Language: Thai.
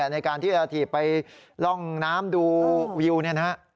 ในการที่จะถีบไปร่องน้ำดูวิวเนี่ยนะฮะ